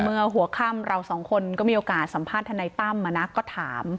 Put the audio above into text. เมื่อหัวค่ำเราสองคนก็มีโอกาสสัมภาษณ์ทนายตั้มก็ถาม